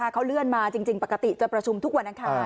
เขาเลื่อนมาจริงปกติจะประชุมทุกวันอังคาร